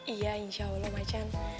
iya insya allah macan